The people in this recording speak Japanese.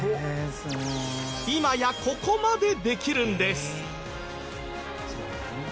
今やここまでできるんです。